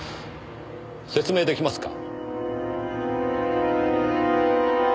説明出来ますか？